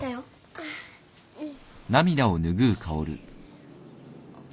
あっうん。